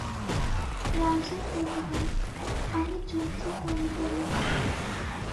রাজা কহিলেন, আমি যুদ্ধ করিব না।